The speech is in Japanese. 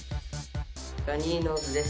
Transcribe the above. ラニーノーズです。